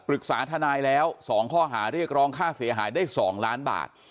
ทนายแล้ว๒ข้อหาเรียกร้องค่าเสียหายได้๒ล้านบาท